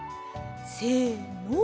せの。